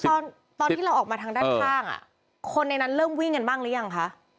ตอนที่เราออกมาทางด้านข้างคนในนั้นเริ่มวิ่งกันบ้างหรือยังคะ